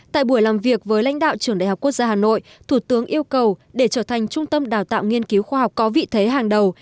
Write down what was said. tại buổi làm việc với lãnh đạo trường đại học quốc gia hà nội thủ tướng yêu cầu để trở thành trung tâm đào tạo nghiên cứu khoa học có vị thế hàng đầu